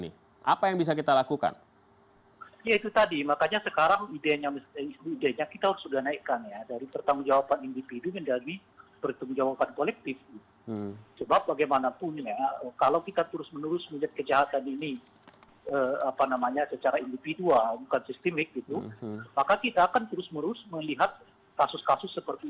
ini kok kesannya seperti